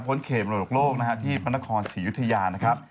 เขตมรดกโลกนะฮะที่พระนครศรียุธยานะครับ